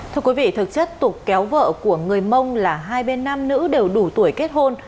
thưa quý vị thực chất tục kéo vợ của người mông là hai bên nam nữ đều đủ tuổi kết hôn